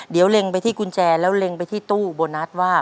เดี๋ยวเล็งไปที่กุญแจแล้วเล็งไปที่ตู้โบนัสว่า